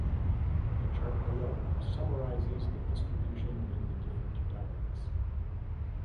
The chart below summarizes the distribution in the different dialects.